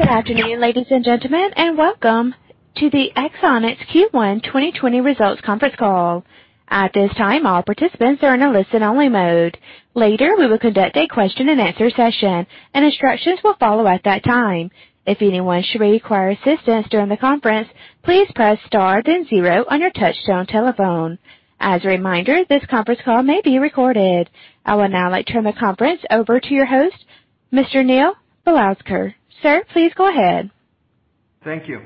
Good afternoon, ladies and gentlemen, and welcome to the Axonics Q1 2020 results conference call. At this time, all participants are in a listen-only mode. Later, we will conduct a question and answer session, and instructions will follow at that time. If anyone should require assistance during the conference, please press star then zero on your touchtone telephone. As a reminder, this conference call may be recorded. I would now like to turn the conference over to your host, Mr. Neil Bhalodkar. Sir, please go ahead. Thank you.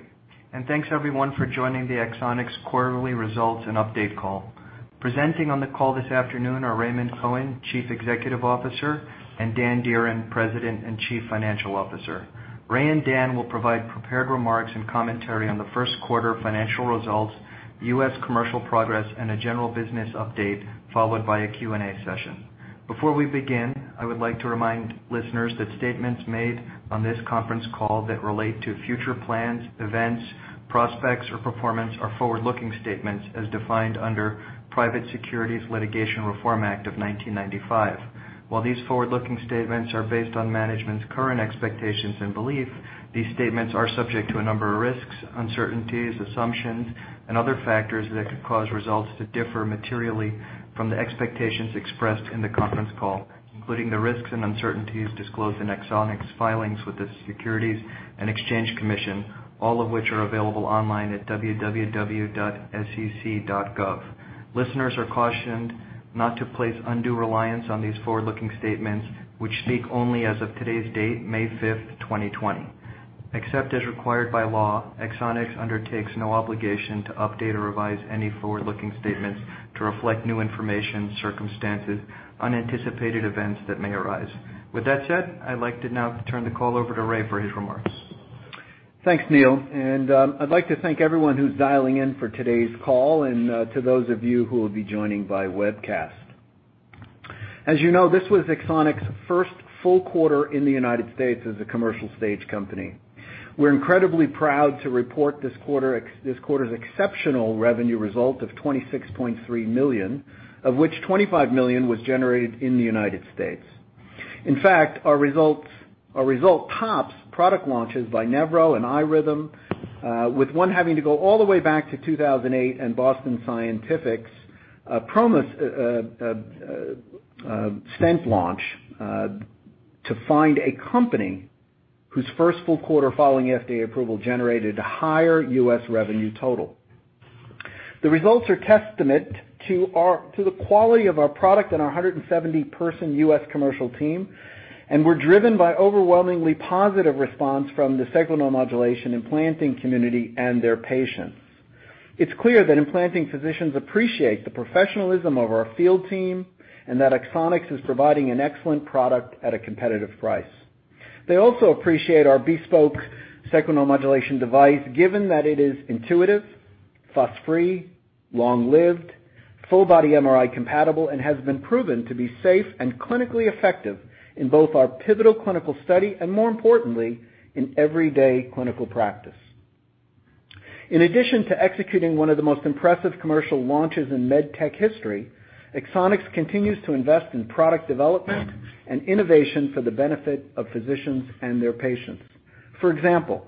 Thanks everyone for joining the Axonics quarterly results and update call. Presenting on the call this afternoon are Raymond Cohen, Chief Executive Officer, and Dan Dearen, President and Chief Financial Officer. Raymond and Dan will provide prepared remarks and commentary on the Q1 financial results, U.S. commercial progress, and a general business update, followed by a Q&A session. Before we begin, I would like to remind listeners that statements made on this conference call that relate to future plans, events, prospects, or performance are forward-looking statements as defined under Private Securities Litigation Reform Act of 1995. While these forward-looking statements are based on management's current expectations and belief, these statements are subject to a number of risks, uncertainties, assumptions, and other factors that could cause results to differ materially from the expectations expressed in the conference call, including the risks and uncertainties disclosed in Axonics' filings with the Securities and Exchange Commission, all of which are available online at www.sec.gov. Listeners are cautioned not to place undue reliance on these forward-looking statements, which speak only as of today's date, May 5th, 2020. Except as required by law, Axonics undertakes no obligation to update or revise any forward-looking statements to reflect new information, circumstances, unanticipated events that may arise. With that said, I'd like to now turn the call over to Raymond for his remarks. Thanks, Neil. I'd like to thank everyone who's dialing in for today's call and to those of you who will be joining by webcast. As you know, this was Axonics' first full quarter in the U.S. as a commercial stage company. We're incredibly proud to report this quarter's exceptional revenue result of $26.3 million, of which $25 million was generated in the U.S. In fact, our result tops product launches by Nevro and iRhythm, With one having to go all the way back to 2008 and Boston Scientific's PROMUS stent launch to find a company whose first full quarter following FDA approval generated a higher U.S. revenue total. The results are testament to the quality of our product and our 170 person U.S. commercial team, and we're driven by overwhelmingly positive response from the sacral neuromodulation implanting community and their patients. It's clear that implanting physicians appreciate the professionalism of our field team and that Axonics is providing an excellent product at a competitive price. They also appreciate our bespoke sacral neuromodulation device, given that it is intuitive, fuss-free, long-lived, full-body MRI compatible, and has been proven to be safe and clinically effective in both our pivotal clinical study and, more importantly, in everyday clinical practice. In addition to executing one of the most impressive commercial launches in med tech history, Axonics continues to invest in product development and innovation for the benefit of physicians and their patients. For example,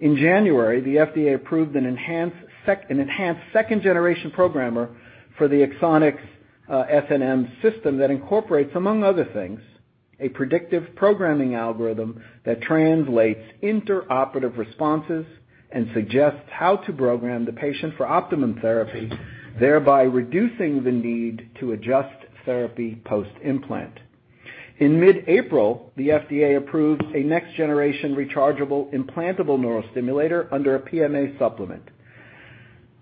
in January, the FDA approved an enhanced second-generation programmer for the Axonics SNM system that incorporates, among other things, a predictive programming algorithm that translates interoperative responses and suggests how to program the patient for optimum therapy, thereby reducing the need to adjust therapy post-implant. In mid-April, the FDA approved a next-generation rechargeable implantable neural stimulator under a PMA supplement.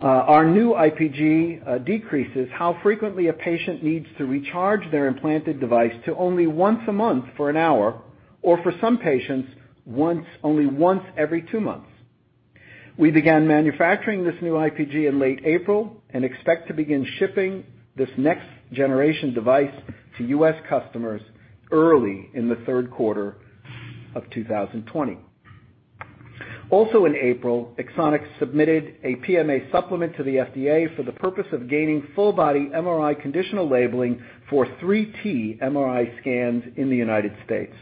Our new IPG decreases how frequently a patient needs to recharge their implanted device to only once a month for an hour or, for some patients, only once every two months. We began manufacturing this new IPG in late April and expect to begin shipping this next-generation device to U.S. customers early in the Q3 of 2020. Also in April, Axonics submitted a PMA supplement to the FDA for the purpose of gaining full-body MRI conditional labeling for 3T MRI scans in the United States.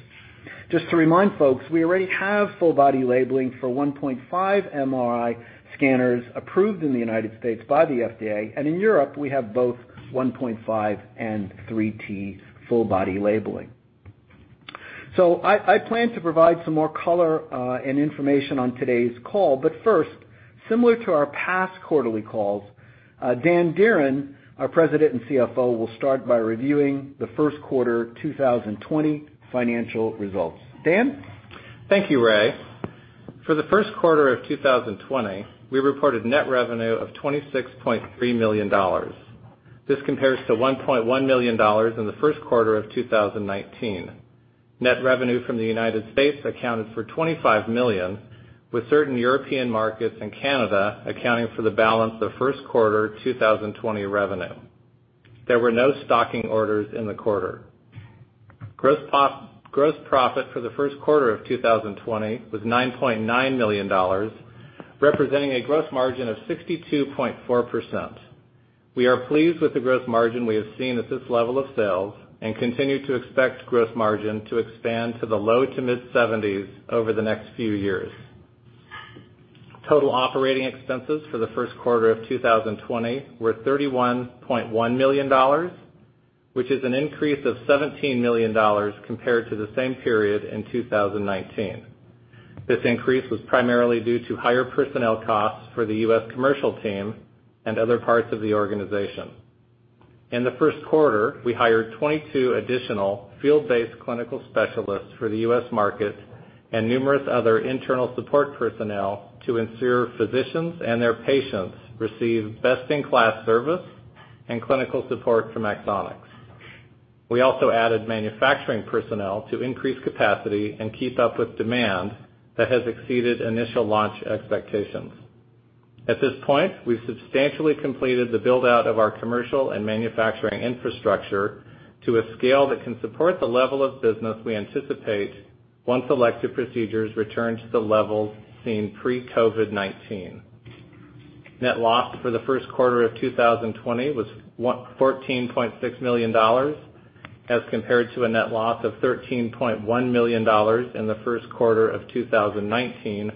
Just to remind folks, we already have full-body labeling for 1.5T MRI scanners approved in the United States by the FDA, and in Europe, we have both 1.5T and 3T full-body labeling. I plan to provide some more color and information on today's call. First, similar to our past quarterly calls, Dan Dearen, our President and CFO, will start by reviewing the Q1 2020 financial results. Dan? Thank you, Raymond. For the Q1 of 2020, we reported net revenue of $26.3 million. This compares to $1.1 million in the Q1 of 2019. Net revenue from the United States accounted for $25 million, with certain European markets and Canada accounting for the balance of Q1 2020 revenue. There were no stocking orders in the quarter. Gross profit for the Q1 of 2020 was $9.9 million, representing a gross margin of 62.4%. We are pleased with the gross margin we have seen at this level of sales and continue to expect gross margin to expand to the low to mid-70s over the next few years. Total operating expenses for the Q1 of 2020 were $31.1 million, which is an increase of $17 million compared to the same period in 2019. This increase was primarily due to higher personnel costs for the U.S. commercial team and other parts of the organization. In the Q1, we hired 22 additional field-based clinical specialists for the U.S. market and numerous other internal support personnel to ensure physicians and their patients receive best-in-class service and clinical support from Axonics. We also added manufacturing personnel to increase capacity and keep up with demand that has exceeded initial launch expectations. At this point, we've substantially completed the build-out of our commercial and manufacturing infrastructure to a scale that can support the level of business we anticipate Once elective procedures return to the levels seen pre-COVID-19. Net loss for the Q1 of 2020 was $14.6 million as compared to a net loss of $13.1 million in the Q1 of 2019,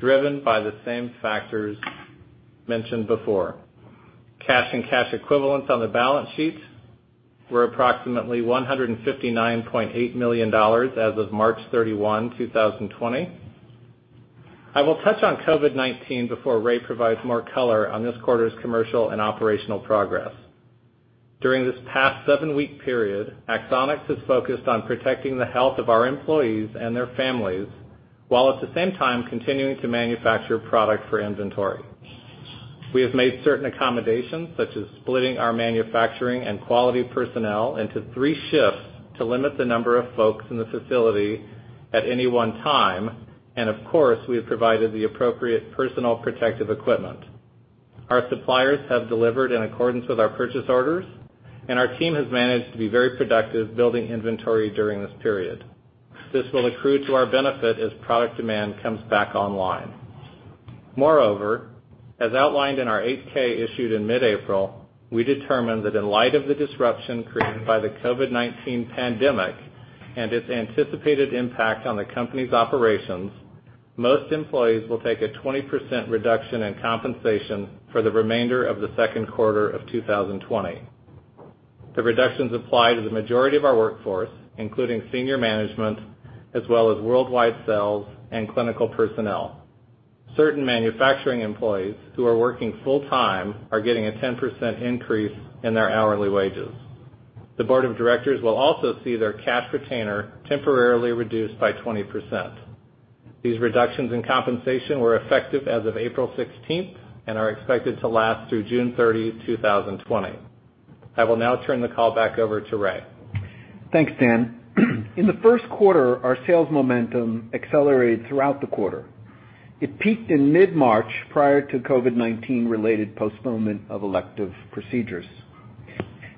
driven by the same factors mentioned before. Cash and cash equivalents on the balance sheet were approximately $159.8 million as of March 31st, 2020. I will touch on COVID-19 before Raymond provides more color on this quarter's commercial and operational progress. During this past seven-week period, Axonics has focused on protecting the health of our employees and their families, while at the same time continuing to manufacture product for inventory. We have made certain accommodations, such as splitting our manufacturing and quality personnel into three shifts to limit the number of folks in the facility at any one time, and of course, we have provided the appropriate personal protective equipment. Our suppliers have delivered in accordance with our purchase orders, and our team has managed to be very productive building inventory during this period. This will accrue to our benefit as product demand comes back online. Moreover, as outlined in our 8-K issued in mid-April, we determined that in light of the disruption created by the COVID-19 pandemic and its anticipated impact on the company's operations, most employees will take a 20% reduction in compensation for the remainder of the Q2 of 2020. The reductions apply to the majority of our workforce, including senior management, as well as worldwide sales and clinical personnel. Certain manufacturing employees who are working full time are getting a 10% increase in their hourly wages. The board of directors will also see their cash retainer temporarily reduced by 20%. These reductions in compensation were effective as of April 16th and are expected to last through June 30th, 2020. I will now turn the call back over to Raymond. Thanks, Dan. In the Q1, our sales momentum accelerated throughout the quarter. It peaked in mid-March, prior to COVID-19-related postponement of elective procedures.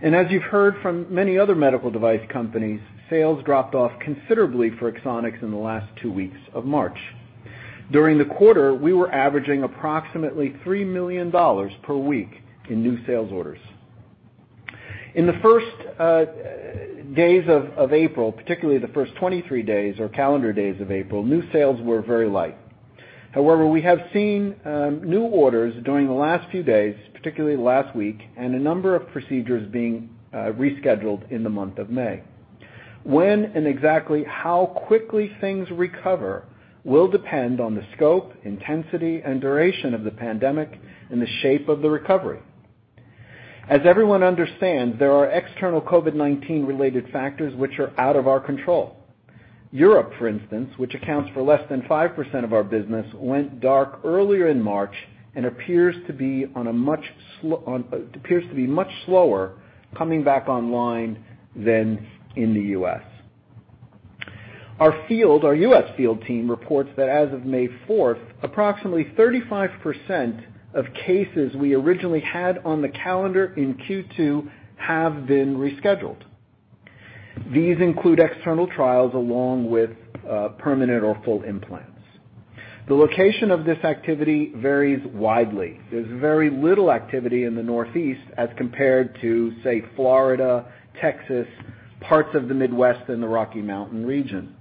As you've heard from many other medical device companies, sales dropped off considerably for Axonics in the last two weeks of March. During the quarter, we were averaging approximately $3 million per week in new sales orders. In the first days of April, particularly the first 23 days or calendar days of April, new sales were very light. However, we have seen new orders during the last few days, particularly last week, and a number of procedures being rescheduled in the month of May. When and exactly how quickly things recover will depend on the scope, intensity, and duration of the pandemic and the shape of the recovery. As everyone understands, there are external COVID-19-related factors which are out of our control. Europe, for instance, which accounts for less than 5% of our business, went dark earlier in March and appears to be much slower coming back online than in the U.S. Our U.S. field team reports that as of May 4th, approximately 35% of cases we originally had on the calendar in Q2 have been rescheduled. These include external trials along with permanent or full implants. The location of this activity varies widely. There's very little activity in the Northeast as compared to, say, Florida, Texas, parts of the Midwest, and the Rocky Mountain region.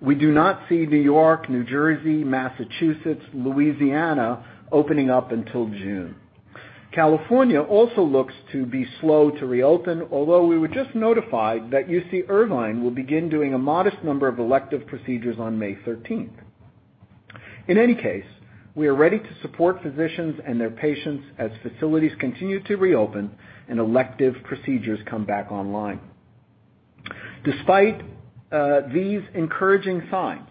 We do not see New York, New Jersey, Massachusetts, Louisiana opening up until June. California also looks to be slow to reopen, although we were just notified that UC Irvine will begin doing a modest number of elective procedures on May 13th. In any case, we are ready to support physicians and their patients as facilities continue to reopen and elective procedures come back online. Despite these encouraging signs,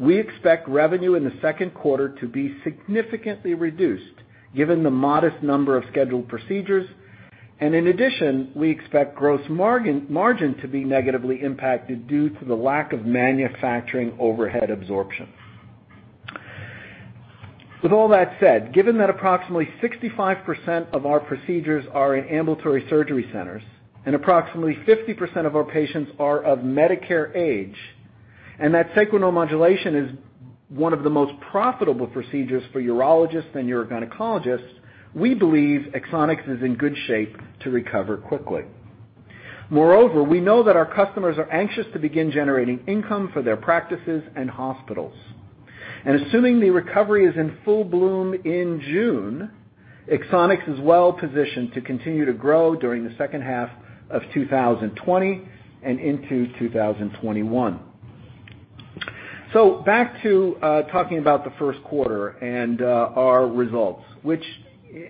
we expect revenue in the Q2 to be significantly reduced given the modest number of scheduled procedures. In addition, we expect gross margin to be negatively impacted due to the lack of manufacturing overhead absorption. With all that said, given that approximately 65% of our procedures are in ambulatory surgery centers and approximately 50% of our patients are of Medicare age. That sacral neuromodulation is one of the most profitable procedures for urologists and urogynecologists, we believe Axonics is in good shape to recover quickly. Moreover, we know that our customers are anxious to begin generating income for their practices and hospitals. Assuming the recovery is in full bloom in June, Axonics is well positioned to continue to grow during the H2 of 2020 and into 2021. Back to talking about the Q1 and our results, which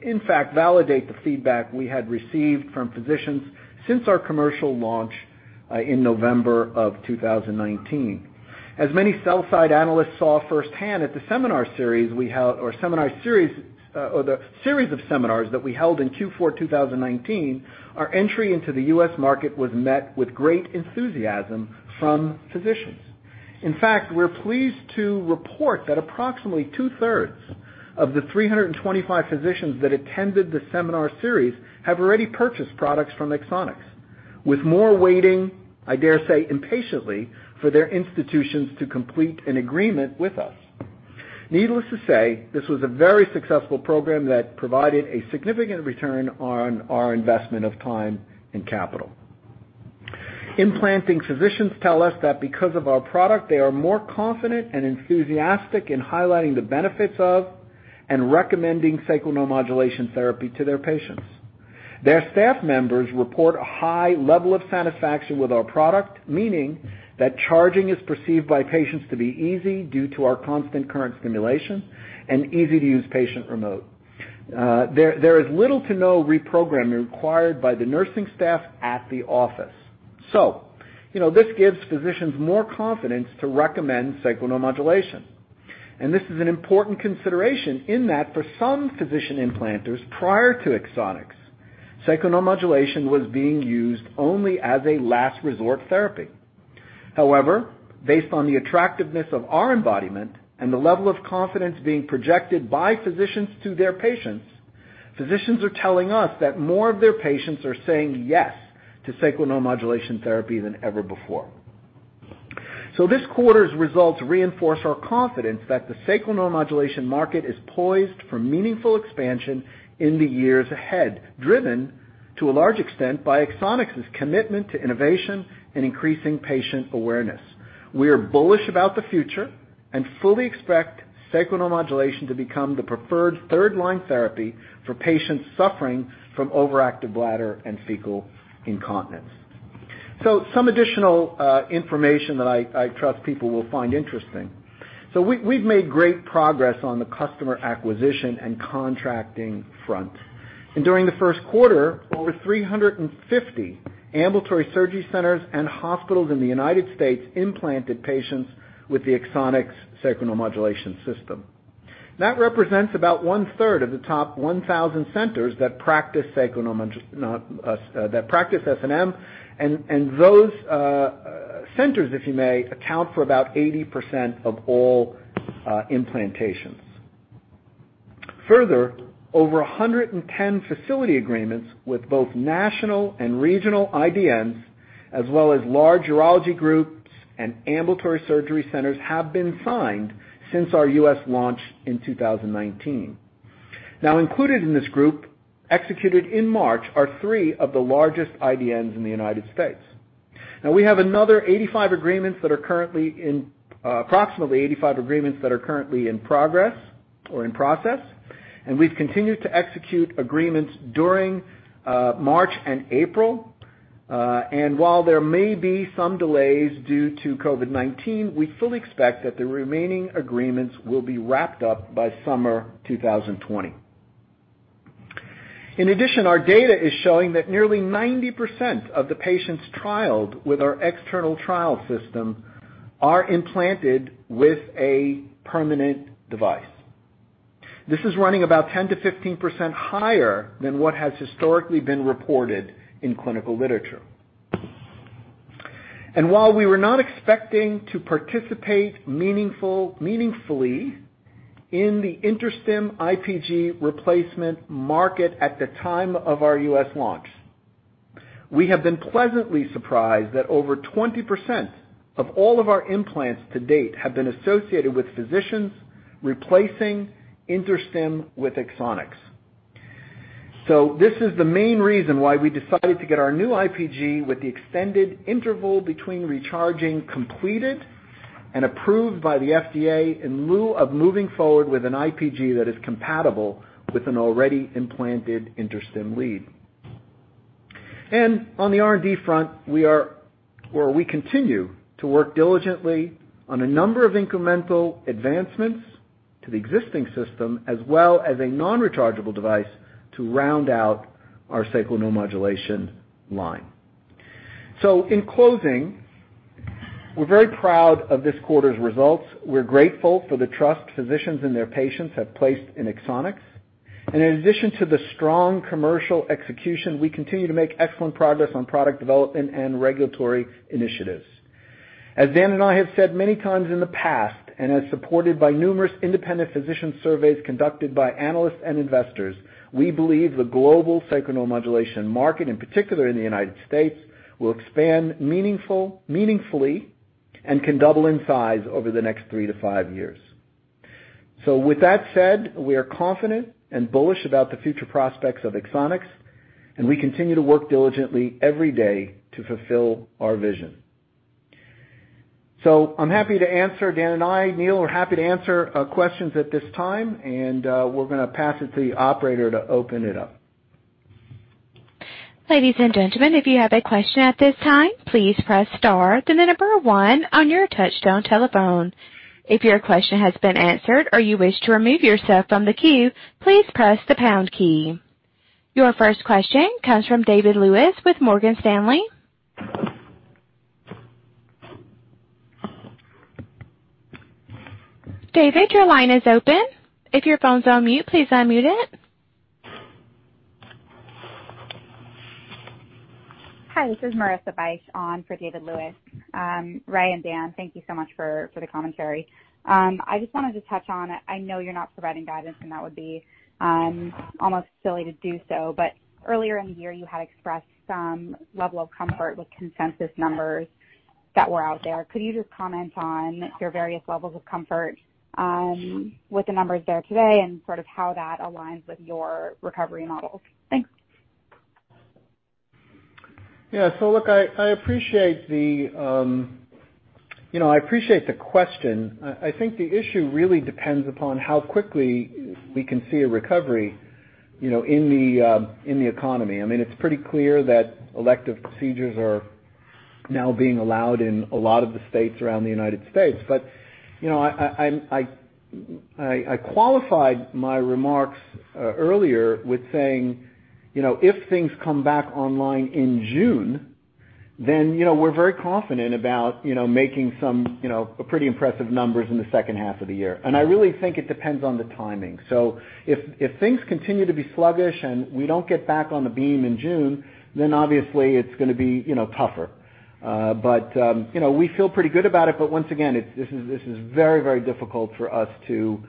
in fact validate the feedback we had received from physicians since our commercial launch in November of 2019. As many sell side analysts saw firsthand at the seminar series we held, or the series of seminars that we held in Q4 2019, our entry into the U.S. market was met with great enthusiasm from physicians. In fact, we're pleased to report that approximately two-thirds of the 325 physicians that attended the seminar series have already purchased products from Axonics. With more waiting, I dare say, impatiently for their institutions to complete an agreement with us. Needless to say, this was a very successful program that provided a significant return on our investment of time and capital. Implanting physicians tell us that because of our product, they are more confident and enthusiastic in highlighting the benefits of and recommending sacral neuromodulation therapy to their patients. Their staff members report a high level of satisfaction with our product, meaning that charging is perceived by patients to be easy due to our constant current stimulation and easy-to-use patient remote. There is little to no reprogramming required by the nursing staff at the office. This gives physicians more confidence to recommend sacral neuromodulation. This is an important consideration in that for some physician implanters prior to Axonics, sacral neuromodulation was being used only as a last resort therapy. However, based on the attractiveness of our embodiment and the level of confidence being projected by physicians to their patients, physicians are telling us that more of their patients are saying yes to sacral neuromodulation therapy than ever before. This quarter's results reinforce our confidence that the sacral neuromodulation market is poised for meaningful expansion in the years ahead, driven to a large extent by Axonics' commitment to innovation and increasing patient awareness. We are bullish about the future and fully expect sacral neuromodulation to become the preferred third-line therapy for patients suffering from overactive bladder and fecal incontinence. Some additional information that I trust people will find interesting. We've made great progress on the customer acquisition and contracting front. During the Q1, over 350 ambulatory surgery centers and hospitals in the United States implanted patients with the Axonics Sacral Neuromodulation System. That represents about one-third of the top 1,000 centers that practice SNM. Those centers, if you may, account for about 80% of all implantations. Further, over 110 facility agreements with both national and regional IDNs, as well as large urology groups and ambulatory surgery centers, have been signed since our U.S. launch in 2019. Included in this group, executed in March, are three of the largest IDNs in the United States. We have approximately 85 agreements that are currently in progress or in process, and we've continued to execute agreements during March and April. While there may be some delays due to COVID-19, we fully expect that the remaining agreements will be wrapped up by summer 2020. In addition, our data is showing that nearly 90% of the patients trialed with our external trial system are implanted with a permanent device. This is running about 10%-15% higher than what has historically been reported in clinical literature. While we were not expecting to participate meaningfully in the InterStim IPG replacement market at the time of our U.S. launch, we have been pleasantly surprised that over 20% of all of our implants to date have been associated with physicians replacing InterStim with Axonics. This is the main reason why we decided to get our new IPG with the extended interval between recharging completed and approved by the FDA in lieu of moving forward with an IPG that is compatible with an already implanted InterStim lead. On the R&D front, we continue to work diligently on a number of incremental advancements to the existing system, as well as a non-rechargeable device to round out our sacral neuromodulation line. In closing, we're very proud of this quarter's results. We're grateful for the trust physicians and their patients have placed in Axonics. In addition to the strong commercial execution, we continue to make excellent progress on product development and regulatory initiatives. As Dan and I have said many times in the past, as supported by numerous independent physician surveys conducted by analysts and investors, we believe the global sacral neuromodulation market, in particular in the U.S., Will expand meaningfully and can double in size over the next three to five years. With that said, we are confident and bullish about the future prospects of Axonics, we continue to work diligently every day to fulfill our vision. I'm happy to answer, Dan and I, Neil, are happy to answer questions at this time, we're going to pass it to the operator to open it up. Ladies and gentlemen, if you have a question at this time, please press star, then the number one on your touch-tone telephone. If your question has been answered or you wish to remove yourself from the queue, please press the pound key. Your first question comes from David Lewis with Morgan Stanley. David, your line is open. If your phone's on mute, please unmute it. Hi, this is Marissa Bych on for David Lewis. Raymond and Dan, thank you so much for the commentary. I just wanted to touch on, I know you're not providing guidance and that would be almost silly to do so. Earlier in the year you had expressed some level of comfort with consensus numbers that were out there. Could you just comment on your various levels of comfort with the numbers there today and sort of how that aligns with your recovery models? Thanks. Yeah. Look, I appreciate the question. I think the issue really depends upon how quickly we can see a recovery in the economy. It's pretty clear that elective procedures are now being allowed in a lot of the states around the United States. I qualified my remarks earlier with saying, if things come back online in June, then we're very confident about making some pretty impressive numbers in the H2 of the year. I really think it depends on the timing. If things continue to be sluggish and we don't get back on the beam in June, then obviously it's going to be tougher. We feel pretty good about it. Once again, this is very, very difficult for us to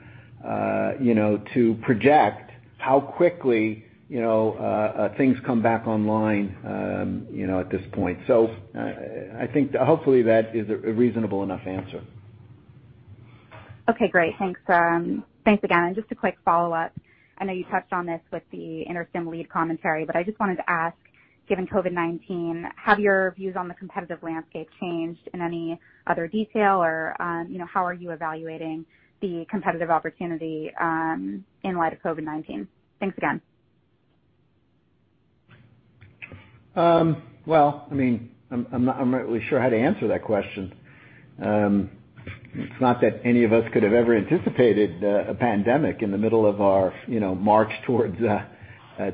project how quickly things come back online at this point. I think hopefully that is a reasonable enough answer. Okay, great. Thanks again. Just a quick follow-up. I know you touched on this with the InterStim lead commentary, I just wanted to ask, given COVID-19, have your views on the competitive landscape changed in any other detail or how are you evaluating the competitive opportunity in light of COVID-19? Thanks again. Well, I'm not really sure how to answer that question. It's not that any of us could have ever anticipated a pandemic in the middle of our march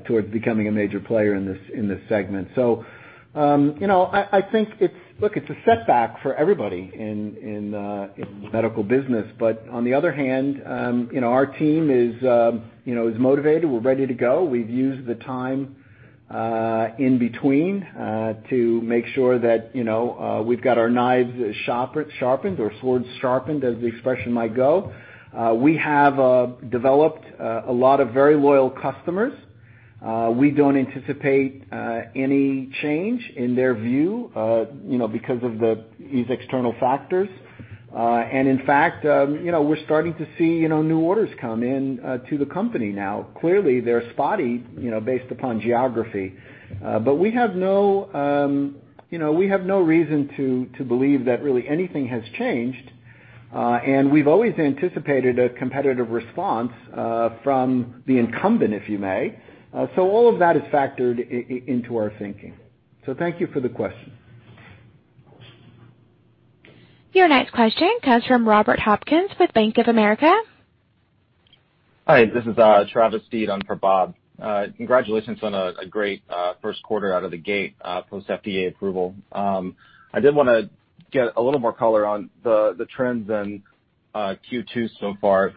towards becoming a major player in this segment. I think it's a setback for everybody in the medical business. On the other hand, our team is motivated. We're ready to go. We've used the time in between to make sure that we've got our knives sharpened or swords sharpened, as the expression might go. We have developed a lot of very loyal customers. We don't anticipate any change in their view because of these external factors. In fact, we're starting to see new orders come in to the company now. Clearly, they're spotty based upon geography. We have no reason to believe that really anything has changed. We've always anticipated a competitive response from the incumbent, if you may. All of that is factored into our thinking. Thank you for the question. Your next question comes from Robert Hopkins with Bank of America. Hi, this is Travis Steed on for Robert. Congratulations on a great Q1 out of the gate post FDA approval. I did want to get a little more color on the trends in Q2 so far.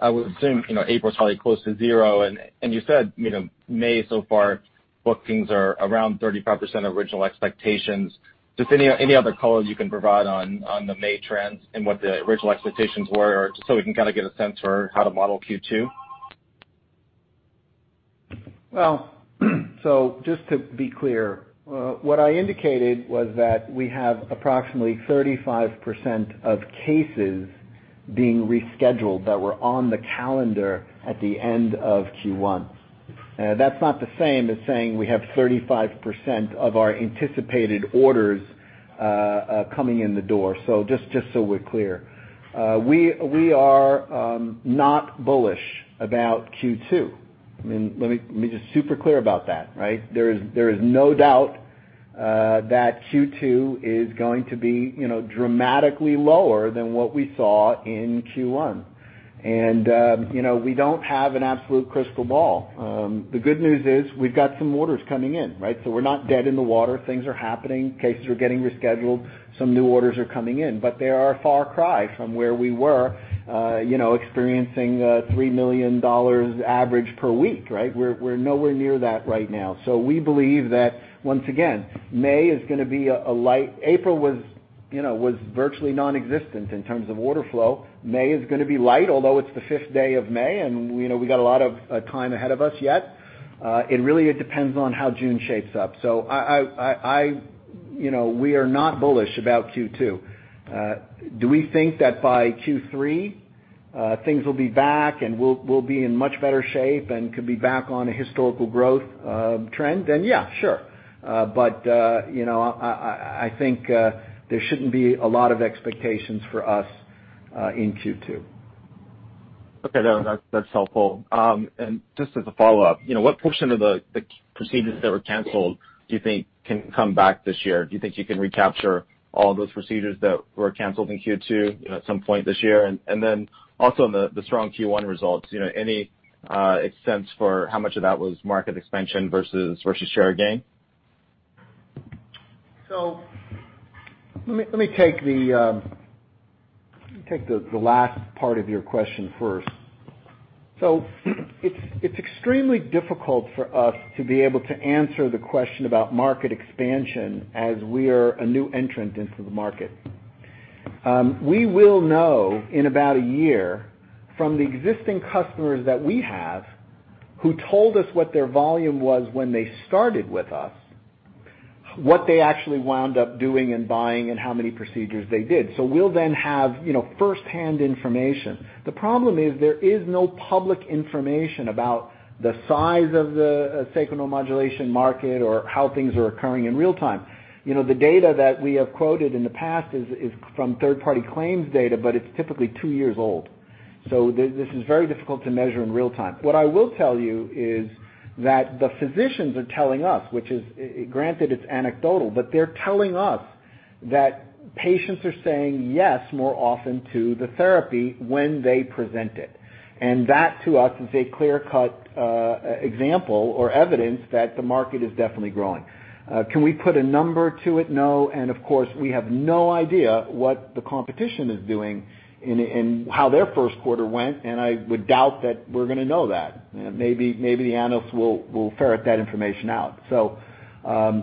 I would assume April's probably close to zero, you said May so far bookings are around 35% of original expectations. Just any other color you can provide on the May trends and what the original expectations were, or just so we can kind of get a sense for how to model Q2? Well, just to be clear, what I indicated was that we have approximately 35% of cases being rescheduled that were on the calendar at the end of Q1. That's not the same as saying we have 35% of our anticipated orders coming in the door. Just so we're clear. We are not bullish about Q2. Let me just super clear about that. There is no doubt that Q2 is going to be dramatically lower than what we saw in Q1. We don't have an absolute crystal ball. The good news is we've got some orders coming in. We're not dead in the water. Things are happening. Cases are getting rescheduled. Some new orders are coming in. They are a far cry from where we were, experiencing a $3 million average per week. We're nowhere near that right now. We believe that once again, May is going to be a light. April was virtually nonexistent in terms of order flow. May is going to be light, although it's the fifth day of May and we got a lot of time ahead of us yet. It really depends on how June shapes up. We are not bullish about Q2. Do we think that by Q3 things will be back, and we'll be in much better shape and could be back on a historical growth trend? Yeah, sure. I think there shouldn't be a lot of expectations for us in Q2. Okay. That's helpful. Just as a follow-up, what portion of the procedures that were canceled do you think can come back this year? Do you think you can recapture all those procedures that were canceled in Q2 at some point this year? Also on the strong Q1 results, any sense for how much of that was market expansion versus share gain? Let me take the last part of your question first. It's extremely difficult for us to be able to answer the question about market expansion as we are a new entrant into the market. We will know in about a year from the existing customers that we have, who told us what their volume was when they started with us, What they actually wound up doing and buying and how many procedures they did. We'll then have firsthand information. The problem is there is no public information about the size of the sacral neuromodulation market or how things are occurring in real time. The data that we have quoted in the past is from third-party claims data, but it's typically two years old, so this is very difficult to measure in real time. What I will tell you is that the physicians are telling us, which is, granted it's anecdotal, but they're telling us that patients are saying yes more often to the therapy when they present it. That, to us, is a clear-cut example or evidence that the market is definitely growing. Can we put a number to it? No. Of course, we have no idea what the competition is doing and how their Q1 went, and I would doubt that we're going to know that. Maybe the analysts will ferret that information out.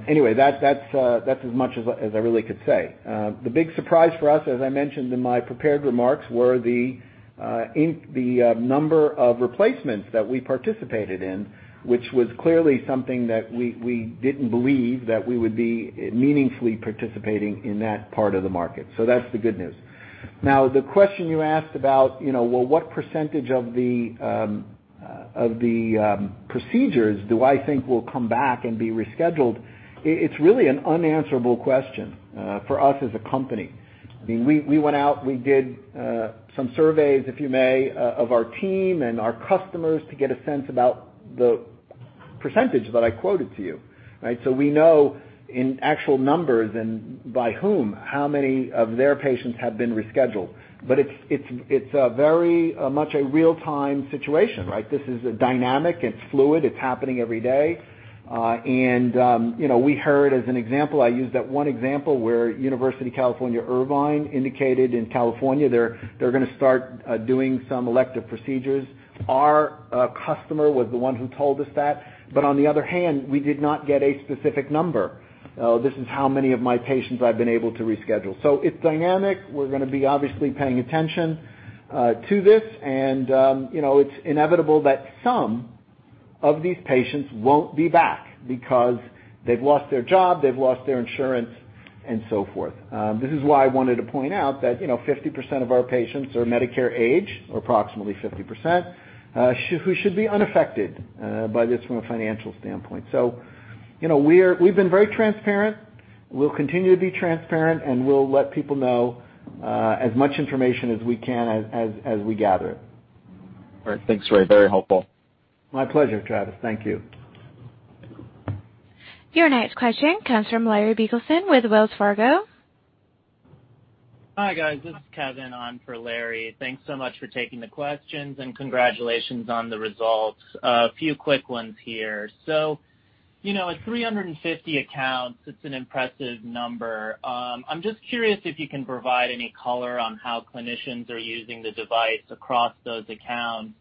Anyway, that's as much as I really could say. The big surprise for us, as I mentioned in my prepared remarks, were the number of replacements that we participated in, which was clearly something that we didn't believe that we would be meaningfully participating in that part of the market. That's the good news. The question you asked about, what percentage of the procedures do I think will come back and be rescheduled, it's really an unanswerable question for us as a company. We went out, we did some surveys, if you may, of our team and our customers to get a sense about the percentage that I quoted to you. We know in actual numbers and by whom, how many of their patients have been rescheduled. It's very much a real-time situation, right? This is dynamic, it's fluid, it's happening every day. We heard, as an example, I used that one example where University of California, Irvine, indicated in California, they're going to start doing some elective procedures. Our customer was the one who told us that. On the other hand, we did not get a specific number. This is how many of my patients I've been able to reschedule. It's dynamic. We're going to be obviously paying attention to this. It's inevitable that some of these patients won't be back because they've lost their job, they've lost their insurance and so forth. This is why I wanted to point out that 50% of our patients are Medicare age, or approximately 50%, who should be unaffected by this from a financial standpoint. We've been very transparent. We'll continue to be transparent, and we'll let people know as much information as we can, as we gather it. All right. Thanks, Raymond. Very helpful. My pleasure, Travis. Thank you. Your next question comes from Larry Biegelsen with Wells Fargo. Hi, guys. This is Kevin An on for Larry. Thanks so much for taking the questions, and congratulations on the results. A few quick ones here. At 350 accounts, it's an impressive number. I'm just curious if you can provide any color on how clinicians are using the device across those accounts.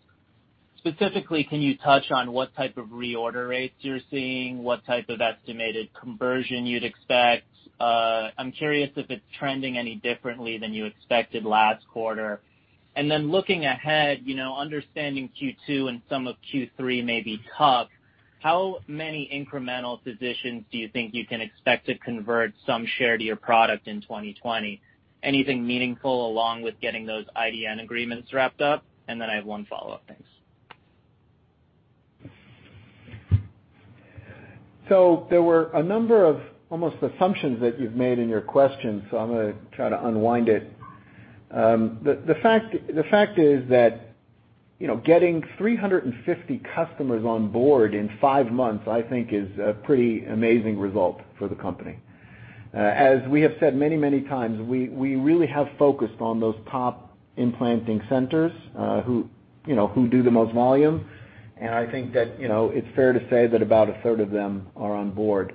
Specifically, can you touch on what type of reorder rates you're seeing, what type of estimated conversion you'd expect? I'm curious if it's trending any differently than you expected last quarter. Looking ahead, understanding Q2 and some of Q3 may be tough, how many incremental physicians do you think you can expect to convert some share to your product in 2020? Anything meaningful along with getting those IDN agreements wrapped up? I have one follow-up. Thanks. There were a number of almost assumptions that you've made in your question, so I'm going to try to unwind it. The fact is that getting 350 customers on board in five months, I think is a pretty amazing result for the company. As we have said many, many times, we really have focused on those top implanting centers who do the most volume. I think that it's fair to say that about a third of them are on board.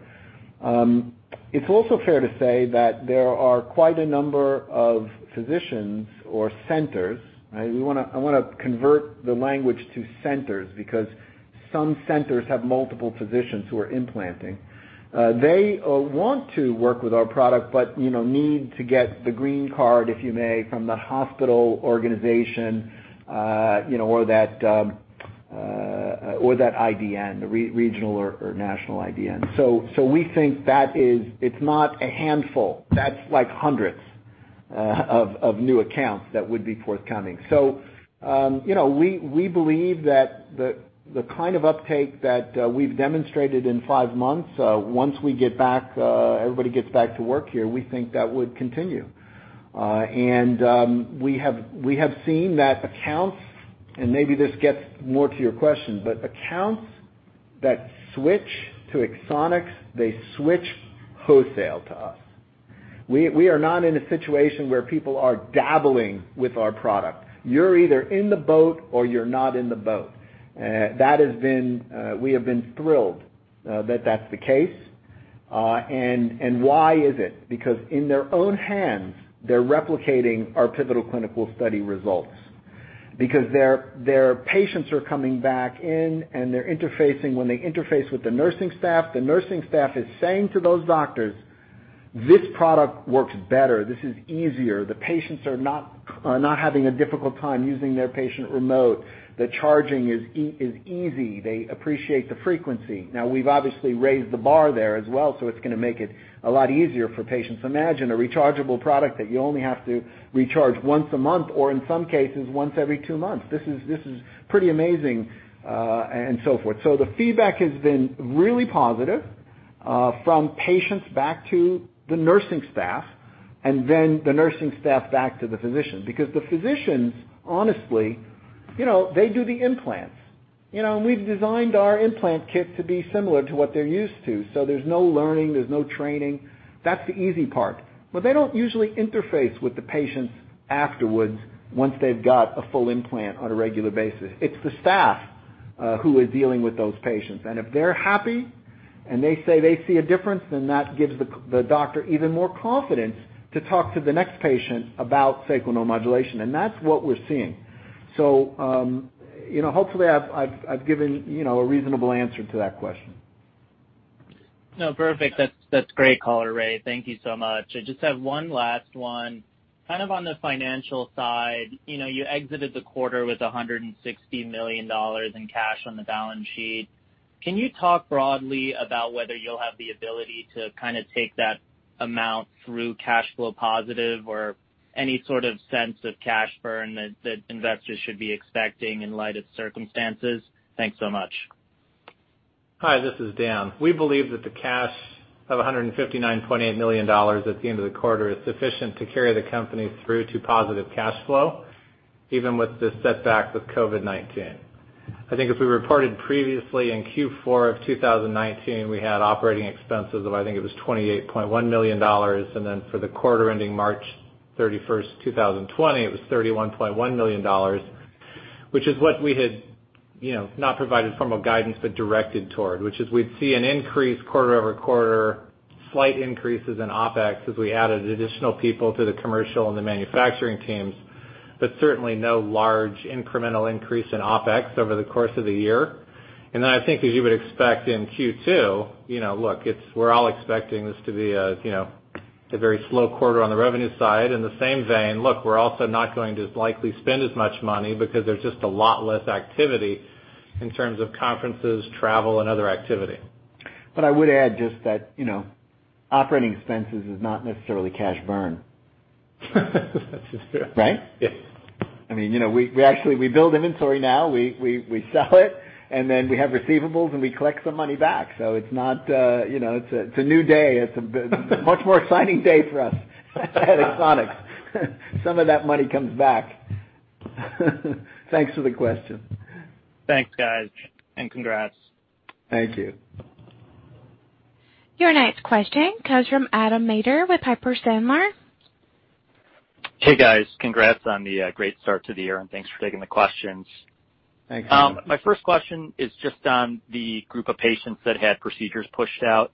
It's also fair to say that there are quite a number of physicians or centers, I want to convert the language to centers because some centers have multiple physicians who are implanting. They want to work with our product, but need to get the green card, if you may, from the hospital organization or that IDN, the regional or national IDN. We think that it's not a handful. That's hundreds of new accounts that would be forthcoming. We believe that the kind of uptake that we've demonstrated in five months, once everybody gets back to work here, we think that would continue. We have seen that accounts, and maybe this gets more to your question, accounts that switch to Axonics, they switch wholesale to us. We are not in a situation where people are dabbling with our product. You're either in the boat or you're not in the boat. We have been thrilled that that's the case. Why is it? Because in their own hands, they're replicating our pivotal clinical study results, because their patients are coming back in and they're interfacing. When they interface with the nursing staff, the nursing staff is saying to those doctors, "This product works better. This is easier. The patients are not having a difficult time using their patient remote. The charging is easy. They appreciate the frequency. We've obviously raised the bar there as well, so it's going to make it a lot easier for patients. Imagine a rechargeable product that you only have to recharge once a month, or in some cases, once every two months. This is pretty amazing and so forth. The feedback has been really positive from patients back to the nursing staff and then the nursing staff back to the physician. The physicians, honestly, they do the implants. We've designed our implant kit to be similar to what they're used to. There's no learning, there's no training. That's the easy part. They don't usually interface with the patients afterwards once they've got a full implant on a regular basis. It's the staff who are dealing with those patients. If they're happy and they say they see a difference, that gives the doctor even more confidence to talk to the next patient about sacral neuromodulation. That's what we're seeing. Hopefully I've given a reasonable answer to that question. No, perfect. That's great, Raymond Cohen, thank you so much. I just have one last one. Kind of on the financial side. You exited the quarter with $160 million in cash on the balance sheet. Can you talk broadly about whether you'll have the ability to take that amount through cash flow positive or any sort of sense of cash burn that investors should be expecting in light of circumstances? Thanks so much. Hi, this is Dan. We believe that the cash of $159.8 million at the end of the quarter is sufficient to carry the company through to positive cash flow, even with the setback with COVID-19. I think as we reported previously in Q4 of 2019, we had operating expenses of, I think it was $28.1 million. For the quarter ending March 31st, 2020, it was $31.1 million, which is what we had, not provided formal guidance, but directed toward, which is we'd see an increase quarter-over-quarter, Slight increases in OpEx as we added additional people to the commercial and the manufacturing teams, certainly no large incremental increase in OpEx over the course of the year. I think as you would expect in Q2, look, we're all expecting this to be a very slow quarter on the revenue side. In the same vein, look, we're also not going to likely spend as much money because there's just a lot less activity in terms of conferences, travel, and other activity. I would add just that operating expenses is not necessarily cash burn. That's just true. Right? Yes. We actually build inventory now, we sell it, then we have receivables and we collect some money back. It's a new day. It's a much more exciting day for us at Axonics. Some of that money comes back. Thanks for the question. Thanks, guys, and congrats. Thank you. Your next question comes from Adam Maeder with Piper Sandler. Hey, guys. Congrats on the great start to the year. Thanks for taking the questions. Thanks, Adam. My first question is just on the group of patients that had procedures pushed out.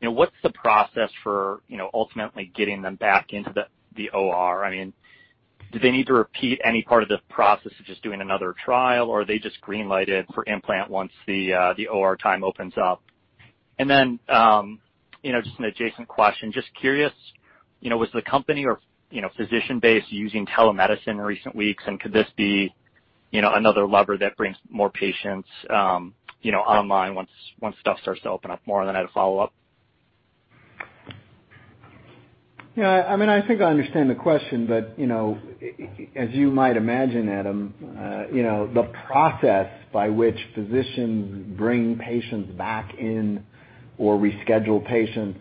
What's the process for ultimately getting them back into the OR? Do they need to repeat any part of the process of just doing another trial? Are they just green-lighted for implant once the OR time opens up? Just an adjacent question. Just curious, was the company or physician base using telemedicine in recent weeks? Could this be another lever that brings more patients online once stuff starts to open up more? I had a follow-up. I think I understand the question, but as you might imagine, Adam, the process by which physicians bring patients back in or reschedule patients.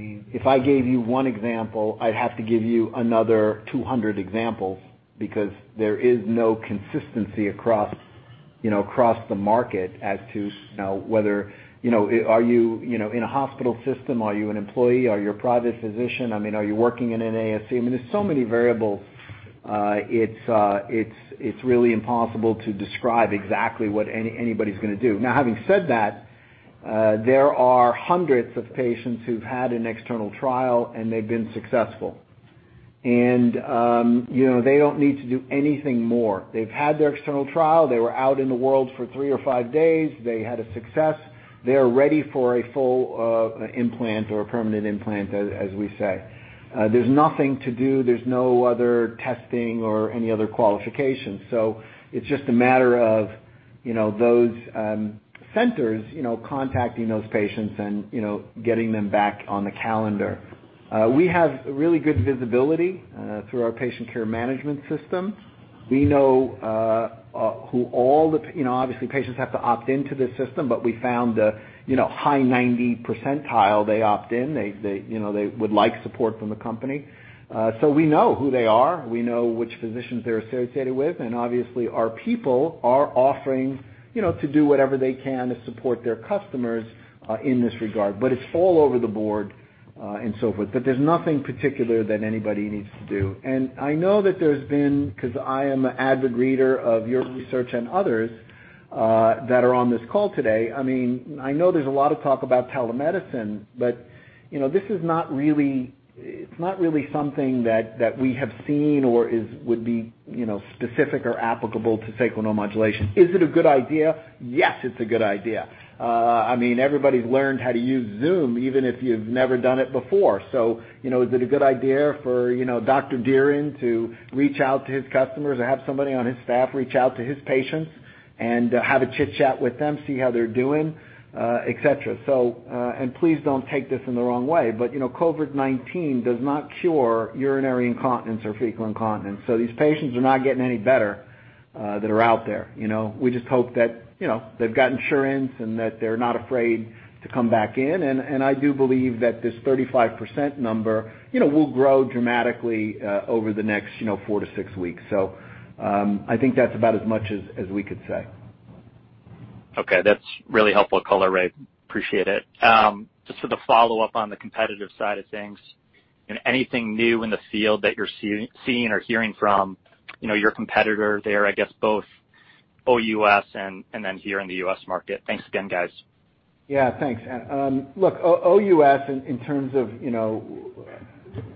If I gave you one example, I'd have to give you another 200 examples because there is no consistency across the market as to whether are you in a hospital system? Are you an employee? Are you a private physician? Are you working in an ASC? There's so many variables. It's really impossible to describe exactly what anybody's going to do. Now, having said that, there are hundreds of patients who've had an external trial and they've been successful. They don't need to do anything more. They've had their external trial. They were out in the world for three or five days. They had a success. They are ready for a full implant or a permanent implant, as we say. There's nothing to do. There's no other testing or any other qualifications. It's just a matter of those centers contacting those patients and getting them back on the calendar. We have really good visibility through our patient care management system. Obviously, patients have to opt into the system, but we found the high 90%, they opt in. They would like support from the company. We know who they are. We know which physicians they're associated with, obviously, our people are offering to do whatever they can to support their customers in this regard. It's all over the board and so forth. There's nothing particular that anybody needs to do. I know that there's been, because I am an avid reader of your research and others that are on this call today, I know there's a lot of talk about telemedicine, but it's not really something that we have seen or would be specific or applicable to sacral neuromodulation. Is it a good idea? Yes, it's a good idea. Everybody's learned how to use Zoom, even if you've never done it before. Is it a good idea for Dr. Dirin to reach out to his customers or have somebody on his staff reach out to his patients and have a chit-chat with them, see how they're doing, et cetera? Please don't take this in the wrong way, but COVID-19 does not cure urinary incontinence or fecal incontinence. These patients are not getting any better that are out there. We just hope that they've got insurance and that they're not afraid to come back in. I do believe that this 35% number will grow dramatically over the next four to six weeks. I think that's about as much as we could say. That's really helpful color, Raymond. Appreciate it. Just for the follow-up on the competitive side of things, anything new in the field that you're seeing or hearing from your competitor there, I guess both OUS and then here in the U.S. market? Thanks again, guys. Yeah, thanks. Look, OUS, in terms of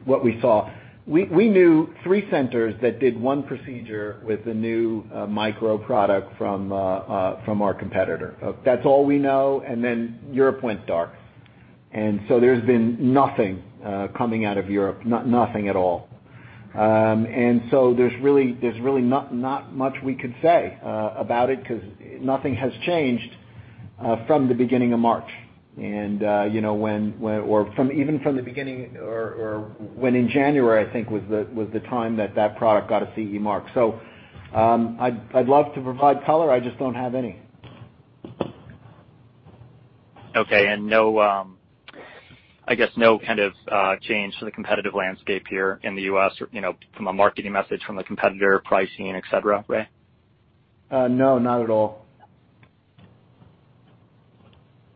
what we saw. We knew three centers that did one procedure with the new Micro product from our competitor. That's all we know. Europe went dark. There's been nothing coming out of Europe, nothing at all. There's really not much we could say about it because nothing has changed from the beginning of March or even from the beginning or when in January, I think, was the time that product got a CE marking. I'd love to provide color. I just don't have any. Okay. I guess, no kind of change to the competitive landscape here in the U.S. or from a marketing message from the competitor pricing, et cetera, Raymond? No, not at all.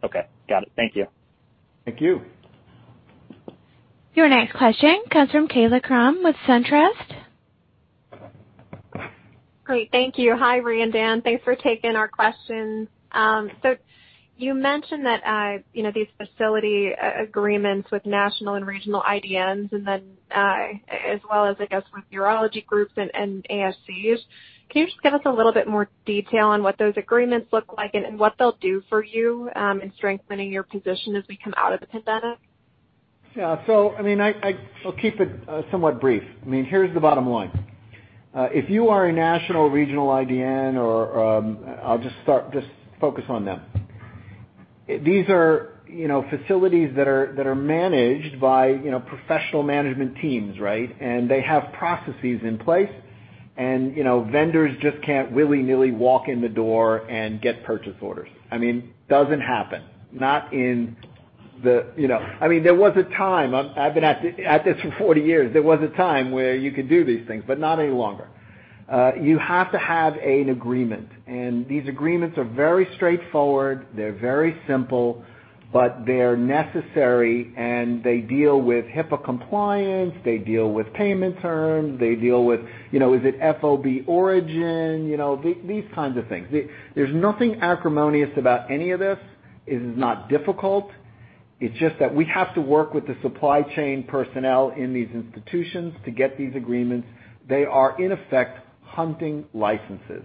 Okay. Got it. Thank you. Thank you. Your next question comes from Caitlin Cronin with Canaccord Genuity. Great. Thank you. Hi, Raymond and Dan. Thanks for taking our questions. You mentioned that these facility agreements with national and regional IDNs, and then as well as, I guess, with urology groups and ASCs. Can you just give us a little bit more detail on what those agreements look like and what they'll do for you in strengthening your position as we come out of the pandemic? Yeah. I'll keep it somewhat brief. Here's the bottom line. If you are a national regional IDN. I'll just focus on them. These are facilities that are managed by professional management teams, right? They have processes in place, and vendors just can't willy-nilly walk in the door and get purchase orders. It doesn't happen. There was a time, I've been at this for 40 years. There was a time where you could do these things, not any longer. You have to have an agreement. These agreements are very straightforward. They're very simple, they're necessary, and they deal with HIPAA compliance. They deal with payment terms. They deal with, is it FOB origin? These kinds of things. There's nothing acrimonious about any of this. It is not difficult. It's just that we have to work with the supply chain personnel in these institutions to get these agreements. They are, in effect, hunting licenses.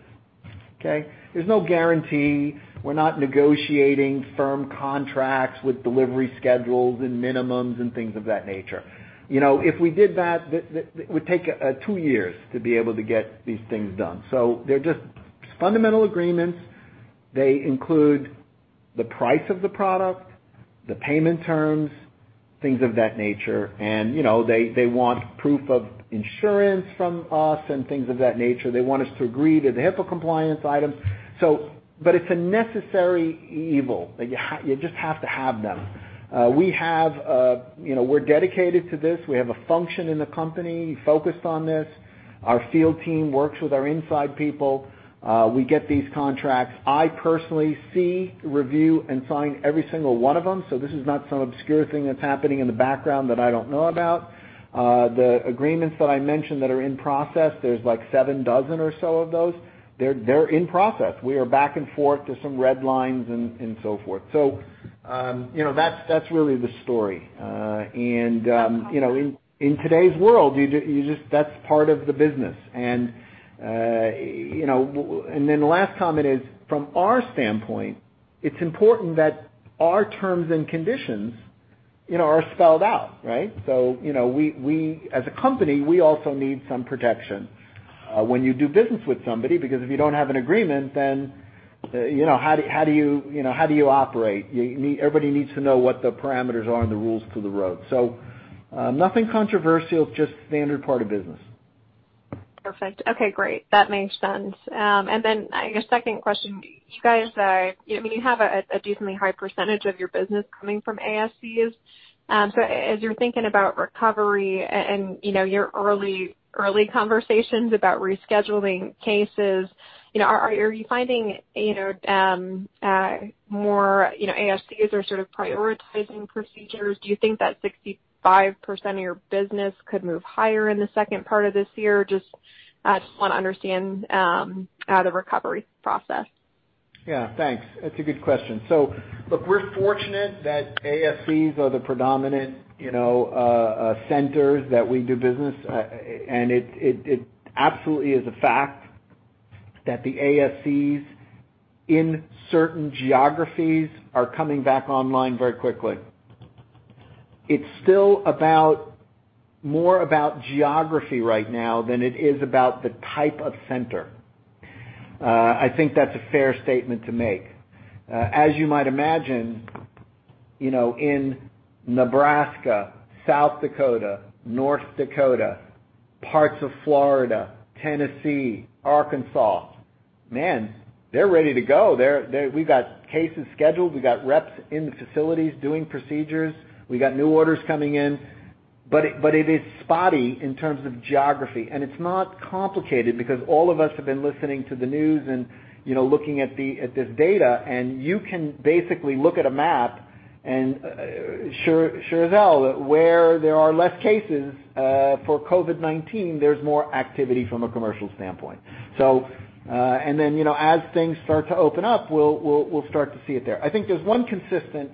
Okay. There's no guarantee. We're not negotiating firm contracts with delivery schedules and minimums and things of that nature. If we did that, it would take two years to be able to get these things done. They're just fundamental agreements. They include the price of the product, the payment terms, things of that nature, and they want proof of insurance from us and things of that nature. They want us to agree to the HIPAA compliance items. It's a necessary evil. You just have to have them. We're dedicated to this. We have a function in the company focused on this. Our field team works with our inside people. We get these contracts. I personally see, review, and sign every single one of them, so this is not some obscure thing that's happening in the background that I don't know about. The agreements that I mentioned that are in process, there's seven dozen or so of those. They're in process. We are back and forth. There's some red lines and so forth. That's really the story. In today's world, that's part of the business. The last comment is, from our standpoint, it's important that our terms and conditions are spelled out, right? As a company, we also need some protection when you do business with somebody, because if you don't have an agreement, then how do you operate? Everybody needs to know what the parameters are and the rules to the road. Nothing controversial, just standard part of business. Perfect. Okay, great. That makes sense. I guess second question, you guys, you have a decently high percentage of your business coming from ASCs. As you're thinking about recovery and your early conversations about rescheduling cases, are you finding more ASCs are sort of prioritizing procedures? Do you think that 65% of your business could move higher in the second part of this year? Just want to understand the recovery process. Yeah, thanks. That's a good question. Look, we're fortunate that ASCs are the predominant centers that we do business, and it absolutely is a fact that the ASCs in certain geographies are coming back online very quickly. It's still more about geography right now than it is about the type of center. I think that's a fair statement to make. As you might imagine, in Nebraska, South Dakota, North Dakota, parts of Florida, Tennessee, Arkansas, man, they're ready to go. We've got cases scheduled. We've got reps in the facilities doing procedures. We got new orders coming in. It is spotty in terms of geography, and it's not complicated because all of us have been listening to the news and looking at this data, and you can basically look at a map and sure as hell, where there are less cases for COVID-19, there's more activity from a commercial standpoint. Then as things start to open up, we'll start to see it there. I think there's one consistent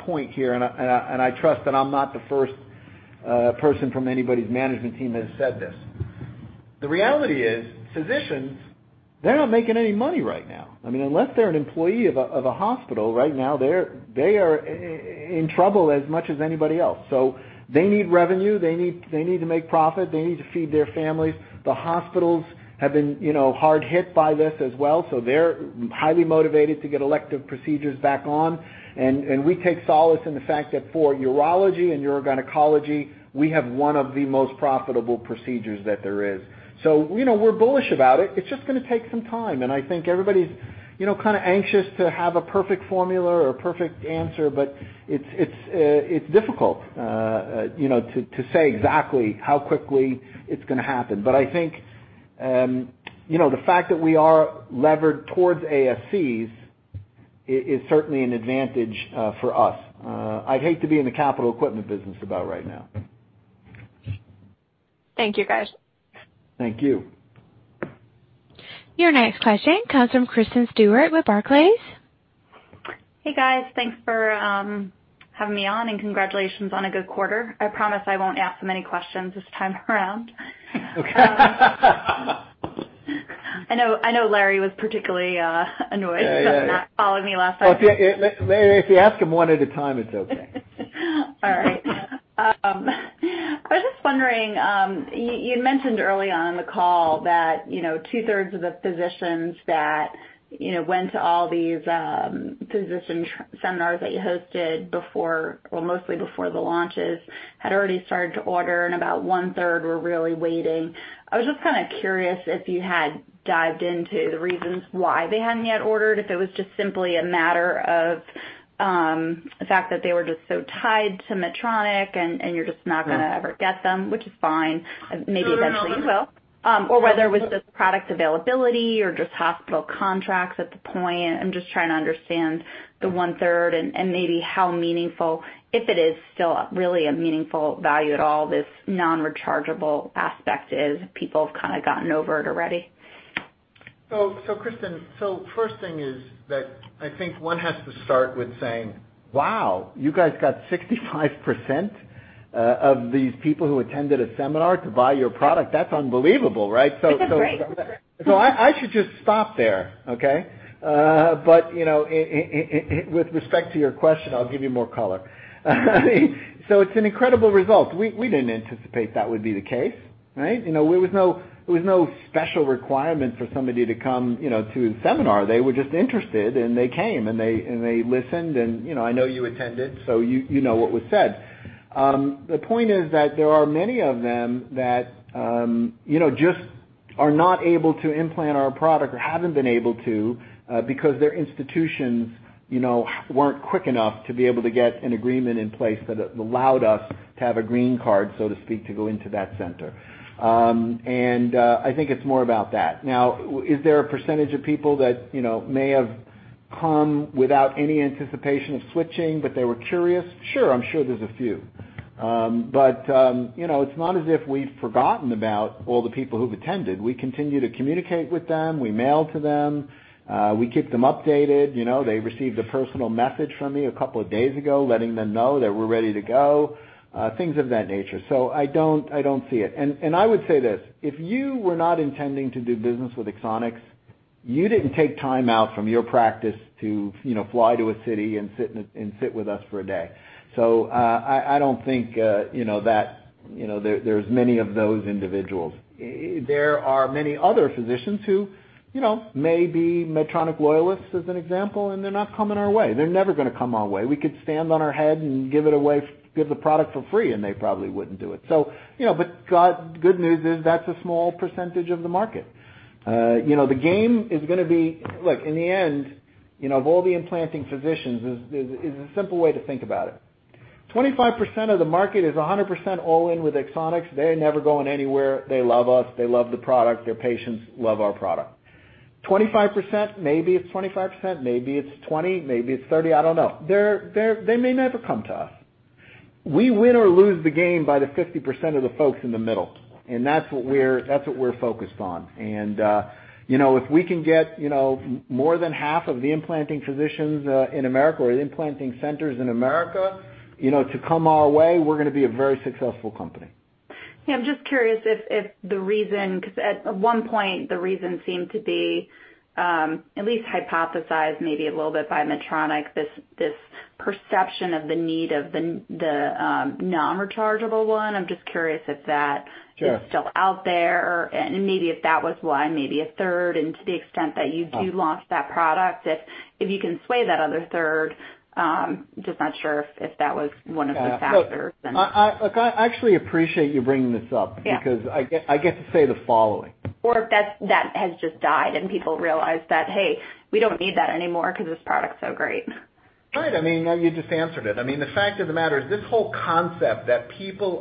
point here, and I trust that I'm not the first person from anybody's management team that has said this. The reality is physicians, they're not making any money right now. Unless they're an employee of a hospital right now, they are in trouble as much as anybody else. They need revenue. They need to make profit. They need to feed their families. The hospitals have been hard hit by this as well. They're highly motivated to get elective procedures back on. We take solace in the fact that for urology and urogynecology, we have one of the most profitable procedures that there is. We're bullish about it. It's just going to take some time. I think everybody's kind of anxious to have a perfect formula or perfect answer. It's difficult to say exactly how quickly it's going to happen. I think the fact that we are levered towards ASCs is certainly an advantage for us. I'd hate to be in the capital equipment business about right now. Thank you, guys. Thank you. Your next question comes from Kristen Stewart with Barclays. Hey, guys. Thanks for having me on. Congratulations on a good quarter. I promise I won't ask many questions this time around. Okay. I know Larry was particularly annoyed. Yeah At Matt following me last time. If you ask them one at a time, it's okay. All right. I was just wondering, you mentioned early on in the call that two-thirds of the physicians that went to all these physician seminars that you hosted mostly before the launches had already started to order, and about one-third were really waiting. I was just kind of curious if you had dived into the reasons why they hadn't yet ordered, If it was just simply a matter of the fact that they were just so tied to Medtronic, and you're just not going to ever get them, which is fine. Maybe eventually you will. Whether it was just product availability or just hospital contracts at the point. I'm just trying to understand the one-third and maybe how meaningful, if it is still really a meaningful value at all, this non-rechargeable aspect is. People have kind of gotten over it already. Kristen, first thing is that I think one has to start with saying, "Wow, you guys got 65% of these people who attended a seminar to buy your product. That's unbelievable," right? That's great. I should just stop there, okay? With respect to your question, I'll give you more color. It's an incredible result. We didn't anticipate that would be the case, right? There was no special requirement for somebody to come to a seminar. They were just interested, and they came, and they listened, and I know you attended, so you know what was said. The point is that there are many of them that just are not able to implant our product or haven't been able to because their institutions weren't quick enough to be able to get an agreement in place that allowed us to have a green card, so to speak, to go into that center. I think it's more about that. Is there a percentage of people that may have come without any anticipation of switching, but they were curious? Sure. I'm sure there's a few. It's not as if we've forgotten about all the people who've attended. We continue to communicate with them. We mail to them. We keep them updated. They received a personal message from me a couple of days ago letting them know that we're ready to go, things of that nature. I don't see it. I would say this: If you were not intending to do business with Axonics, you didn't take time out from your practice to fly to a city and sit with us for a day. I don't think that there's many of those individuals. There are many other physicians who may be Medtronic loyalists, as an example, and they're not coming our way. They're never going to come our way. We could stand on our head and give the product for free, and they probably wouldn't do it. Good news is that's a small percentage of the market. The game is going to be, look, in the end, of all the implanting physicians, is a simple way to think about it. 25% of the market is 100% all-in with Axonics. They're never going anywhere. They love us. They love the product. Their patients love our product. 25%, maybe it's 25%, maybe it's 20%, maybe it's 30%, I don't know. They may never come to us. We win or lose the game by the 50% of the folks in the middle, and that's what we're focused on. If we can get more than half of the implanting physicians in America or the implanting centers in America to come our way, we're going to be a very successful company. Yeah, I'm just curious if the reason, because at one point, the reason seemed to be at least hypothesized maybe a little bit by Medtronic, this perception of the need of the non-rechargeable one. Sure. Is still out there and maybe if that was why maybe a third, and to the extent that you do launch that product, if you can sway that other third. Just not sure if that was one of the factors then. Look, I actually appreciate you bringing this up. Yeah Because I get to say the following. If that has just died and people realize that, hey, we don't need that anymore because this product's so great. Right. You just answered it. The fact of the matter is this whole concept that people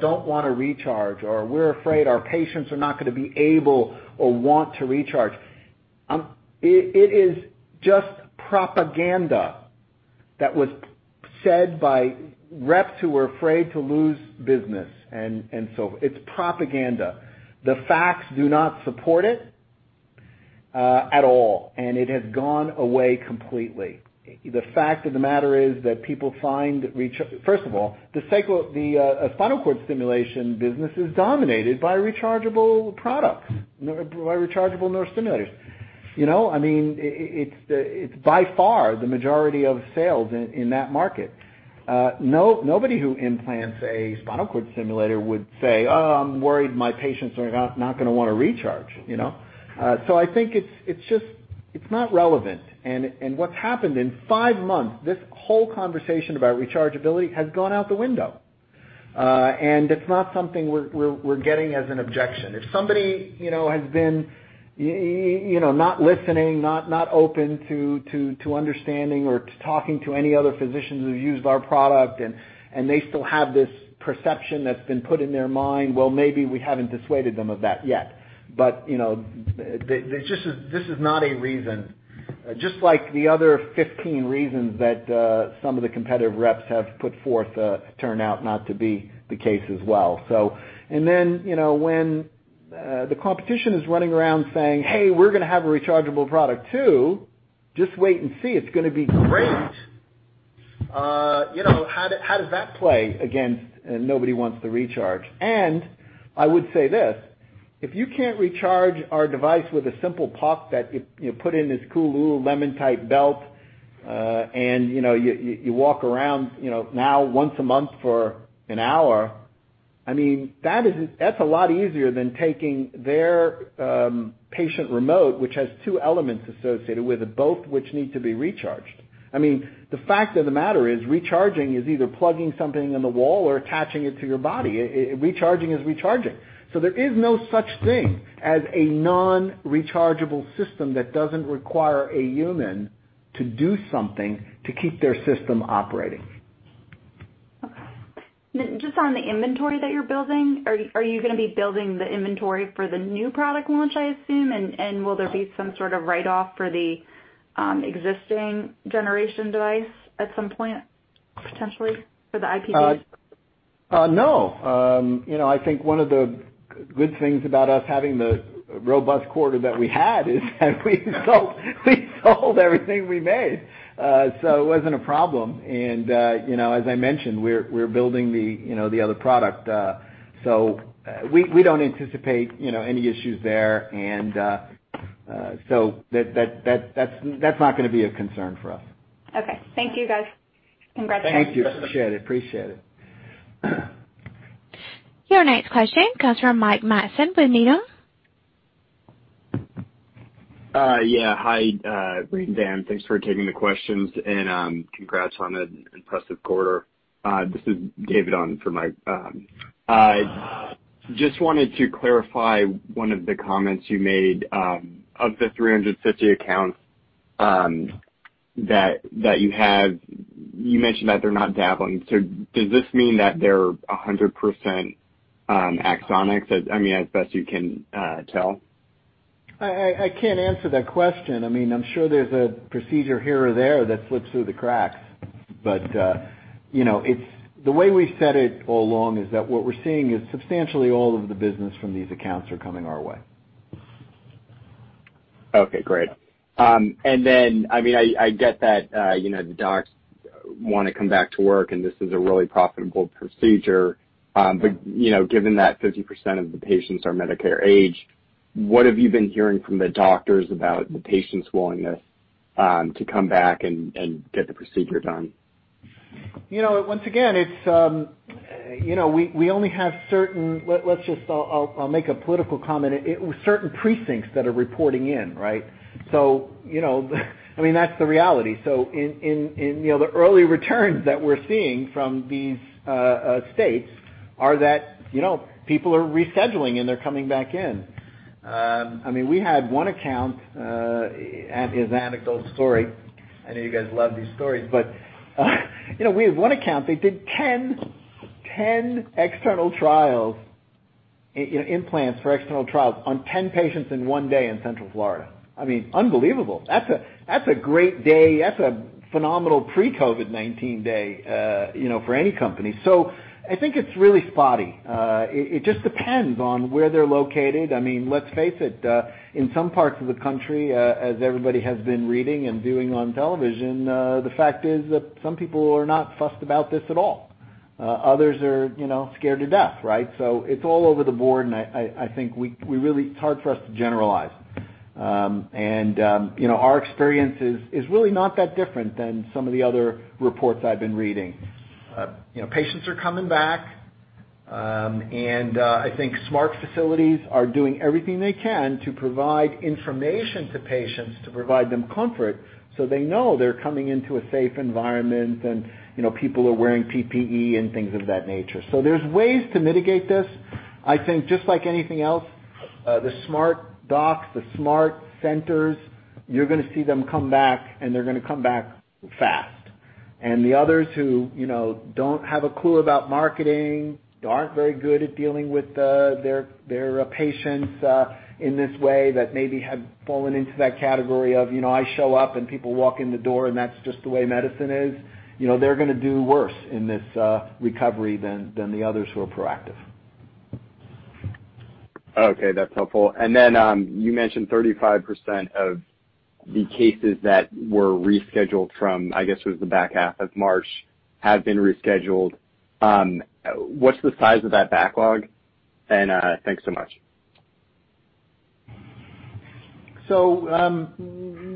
don't want to recharge or we're afraid our patients are not going to be able or want to recharge, it is just propaganda that was said by reps who were afraid to lose business. It's propaganda. The facts do not support it at all, and it has gone away completely. The fact of the matter is that first of all, the spinal cord stimulation business is dominated by rechargeable products, by rechargeable neurostimulators. It's by far the majority of sales in that market. Nobody who implants a spinal cord simulator would say, "Oh, I'm worried my patients are not going to want to recharge." I think it's not relevant. What's happened in five months, this whole conversation about rechargeability has gone out the window. It's not something we're getting as an objection. If somebody has been not listening, not open to understanding or talking to any other physicians who've used our product, and they still have this perception that's been put in their mind, well, maybe we haven't dissuaded them of that yet. This is not a reason, just like the other 15 reasons that some of the competitive reps have put forth turned out not to be the case as well. When the competition is running around saying, "Hey, we're going to have a rechargeable product too, just wait and see. It's going to be great." How does that play against nobody wants to recharge? I would say this, if you can't recharge our device with a simple puck that you put in this cool little lemon type belt, and you walk around now once a month for an hour, that's a lot easier than taking their patient remote, which has two elements associated with it, both which need to be recharged. The fact of the matter is recharging is either plugging something in the wall or attaching it to your body. Recharging is recharging. There is no such thing as a non-rechargeable system that doesn't require a human to do something to keep their system operating. Okay. Just on the inventory that you're building, are you going to be building the inventory for the new product launch, I assume? Will there be some sort of write-off for the existing generation device at some point, potentially, for the IPGs? No. I think one of the good things about us having the robust quarter that we had is we sold everything we made. It wasn't a problem. As I mentioned, we're building the other product. We don't anticipate any issues there, and that's not going to be a concern for us. Okay. Thank you, guys. Congratulations. Thank you. Appreciate it. Your next question comes from Mike Matson with Needham & Company. Yeah. Hi, Raymond and Dan. Thanks for taking the questions and congrats on an impressive quarter. This is David on for Mike. Just wanted to clarify one of the comments you made. Of the 350 accounts that you have, you mentioned that they're not dabbling. Does this mean that they're 100% Axonics? As best you can tell? I can't answer that question. I'm sure there's a procedure here or there that slips through the cracks. The way we've said it all along is that what we're seeing is substantially all of the business from these accounts are coming our way. Okay, great. Then, I get that the docs want to come back to work, and this is a really profitable procedure. Given that 50% of the patients are Medicare age, what have you been hearing from the doctors about the patients' willingness to come back and get the procedure done? Once again, I'll make a political comment. Certain precincts that are reporting in. That's the reality. In the early returns that we're seeing from these states are that people are rescheduling, and they're coming back in. We had one account, as an anecdotal story, I know you guys love these stories, but we had one account, they did 10 external trials, implants for external trials on 10 patients in one day in Central Florida. Unbelievable. That's a great day. That's a phenomenal pre-COVID-19 day for any company. I think it's really spotty. It just depends on where they're located. Let's face it, in some parts of the country, as everybody has been reading and viewing on television, the fact is that some people are not fussed about this at all. Others are scared to death. It's all over the board, and I think it's hard for us to generalize. Our experience is really not that different than some of the other reports I've been reading. Patients are coming back. I think smart facilities are doing everything they can to provide information to patients, To provide them comfort so they know they're coming into a safe environment and people are wearing PPE and things of that nature. There's ways to mitigate this. I think just like anything else, the smart docs, the smart centers, you're going to see them come back, and they're going to come back fast. The others who don't have a clue about marketing, aren't very good at dealing with their patients in this way, that maybe have fallen into that category of, I show up and people walk in the door, and that's just the way medicine is. They're going to do worse in this recovery than the others who are proactive. Okay. That's helpful. You mentioned 35% of the cases that were rescheduled from, I guess it was the back half of March, have been rescheduled. What's the size of that backlog? Thanks so much.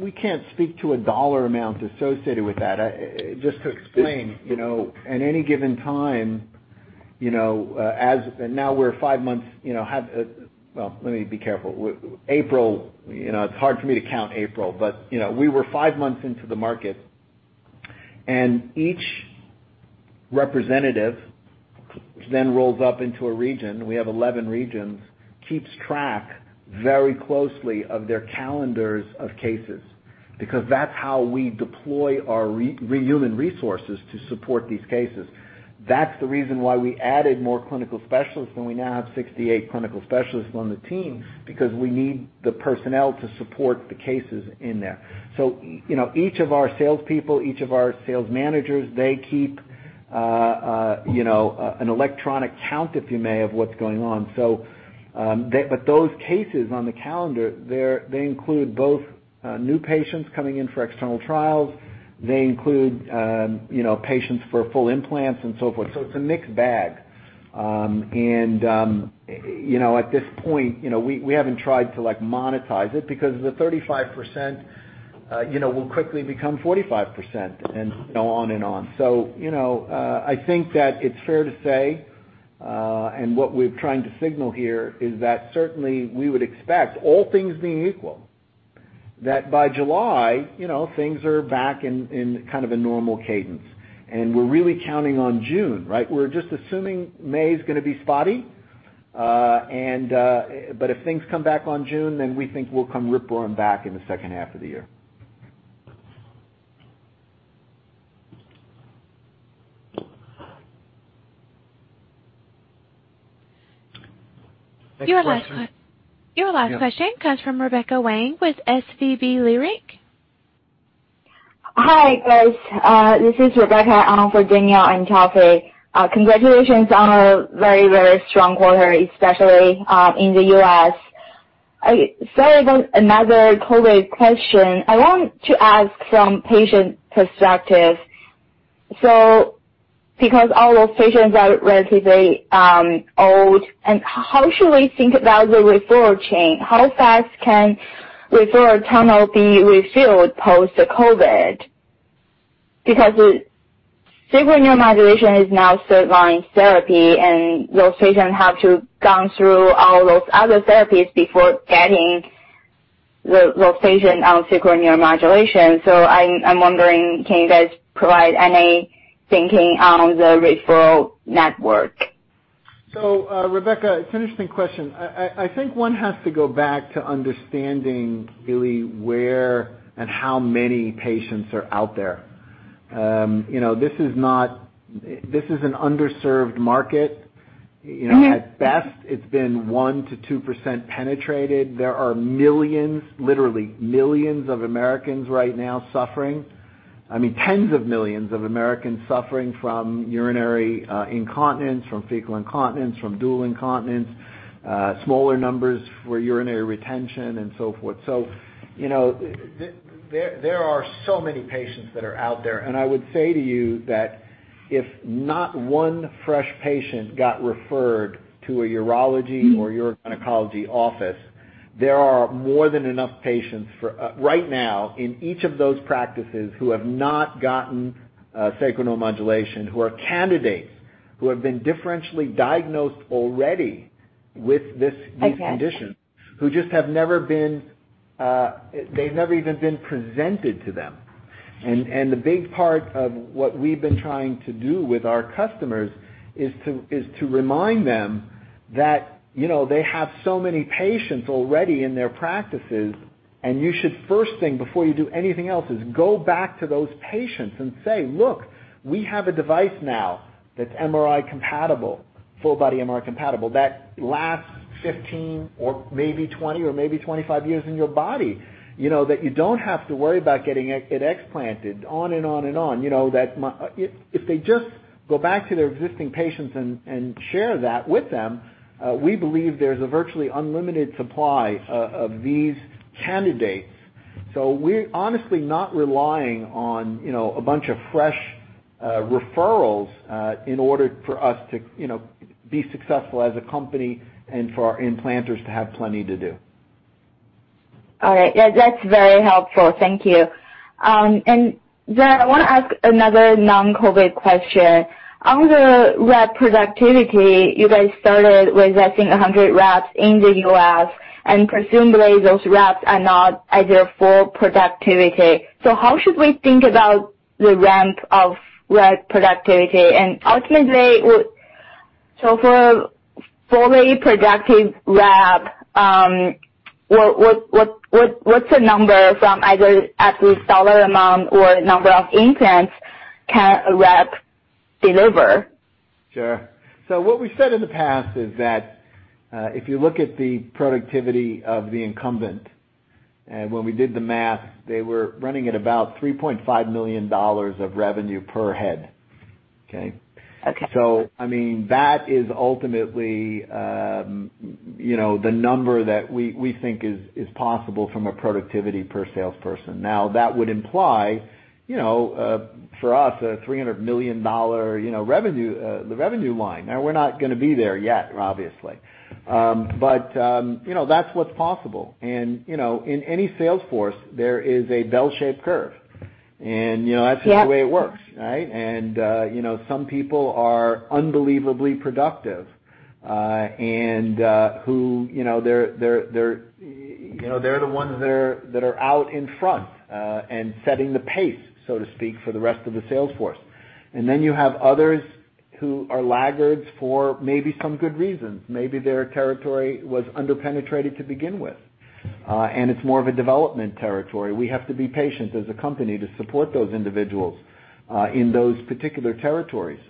We can't speak to a dollar amount associated with that. Just to explain, at any given time, and now we're five months. Well, let me be careful. April, it's hard for me to count April, but we were five months into the market. Each representative, which then rolls up into a region, we have 11 regions, keeps track very closely of their calendars of cases, because that's how we deploy our human resources to support these cases. That's the reason why we added more clinical specialists, and we now have 68 clinical specialists on the team because we need the personnel to support the cases in there. Each of our salespeople, each of our sales managers, they keep an electronic count, if you may, of what's going on. Those cases on the calendar, they include both new patients coming in for external trials. They include patients for full implants and so forth. It's a mixed bag. At this point we haven't tried to monetize it because the 35% will quickly become 45% and on and on. I think that it's fair to say, and what we're trying to signal here is that certainly we would expect all things being equal, That by July things are back in kind of a normal cadence. We're really counting on June. We're just assuming May's going to be spotty. If things come back on June, then we think we'll come ripping back in the H2 of the year. Your last question comes from Rebecca Wang with SVB Leerink. Hi, guys. This is Rebecca on for Danielle and Jeffrey. Congratulations on a very strong quarter, especially in the U.S. Sorry about another COVID question. I want to ask from patient perspective. Because all those patients are relatively old, and how should we think about the referral chain? How fast can referral tunnel be refilled post-COVID? Because sacral neuromodulation is now third-line therapy, and those patients have to gone through all those other therapies before getting the patient on sacral neuromodulation. I'm wondering, can you guys provide any thinking on the referral network? Rebecca, it's an interesting question. I think one has to go back to understanding really where and how many patients are out there. This is an underserved market. At best, it's been 1%-2% penetrated. There are millions, literally millions of Americans right now suffering. I mean, tens of millions of Americans suffering from urinary incontinence, from fecal incontinence, from dual incontinence, smaller numbers for urinary retention, and so forth. There are so many patients that are out there, and I would say to you that if not one fresh patient got referred to a urology or urogynecology office, there are more than enough patients right now in each of those practices who have not gotten sacral neuromodulation, who are candidates, who have been differentially diagnosed already with this condition. I see. Who just have never even been presented to them. The big part of what we've been trying to do with our customers is to remind them that they have so many patients already in their practices, and you should first thing before you do anything else is go back to those patients and say, "Look, we have a device now that's MRI-compatible, full body MRI-compatible, that lasts 15 or maybe 20 or maybe 25 years in your body. That you don't have to worry about getting it explanted," on and on and on. If they just go back to their existing patients and share that with them, we believe there's a virtually unlimited supply of these candidates. We're honestly not relying on a bunch of fresh referrals in order for us to be successful as a company and for our implanters to have plenty to do. All right. Yeah, that's very helpful. Thank you. I want to ask another non-COVID question. On the rep productivity, you guys started with, I think, 100 reps in the U.S., presumably those reps are not at their full productivity. How should we think about the ramp of rep productivity? Ultimately, for a fully productive rep, what's the number from either absolute dollar amount or number of implants can a rep deliver? Sure. What we've said in the past is that if you look at the productivity of the incumbent, when we did the math, they were running at about $3.5 million of revenue per head. Okay? Okay. I mean, that is ultimately the number that we think is possible from a productivity per salesperson. That would imply for us a $300 million revenue line. We're not going to be there yet, obviously. That's what's possible. In any sales force, there is a bell-shaped curve, and that's just the way it works, right? Some people are unbelievably productive and they're the ones that are out in front and setting the pace, so to speak, for the rest of the sales force. You have others who are laggards for maybe some good reasons. Maybe their territory was under-penetrated to begin with, and it's more of a development territory. We have to be patient as a company to support those individuals in those particular territories.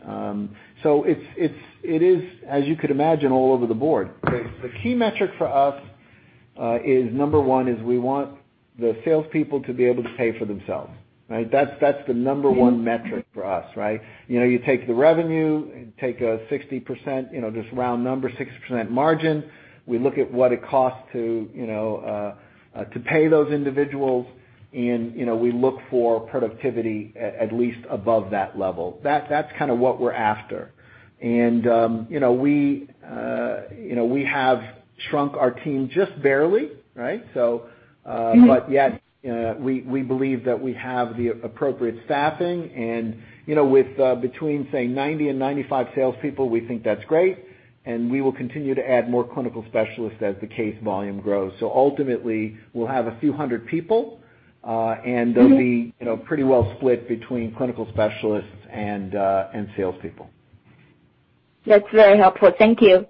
It is, as you could imagine, all over the board. The key metric for us is, number one, is we want the salespeople to be able to pay for themselves, right? That's the number one metric for us, right? You take the revenue, take a 60%, just round number, 60% margin. We look at what it costs to pay those individuals, and we look for productivity at least above that level. That's kind of what we're after. We have shrunk our team just barely, right? Yet, we believe that we have the appropriate staffing and with between, say, 90 and 95 salespeople, we think that's great, and we will continue to add more clinical specialists as the case volume grows. Ultimately, we'll have a few hundred people, and they'll be pretty well split between clinical specialists and salespeople. That's very helpful. Thank you.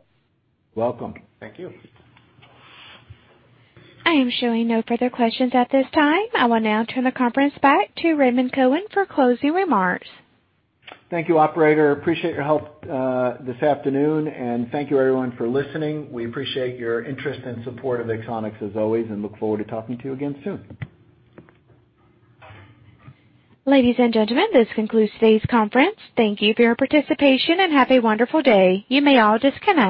Welcome. Thank you. I am showing no further questions at this time. I will now turn the conference back to Raymond Cohen for closing remarks. Thank you, operator. Appreciate your help this afternoon, and thank you everyone for listening. We appreciate your interest and support of Axonics as always and look forward to talking to you again soon. Ladies and gentlemen, this concludes today's conference. Thank Thank you for your participation, and have a wonderful day. You may all disconnect.